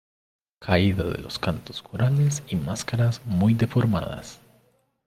Caída de los cantos corales y máscaras muy deformadas.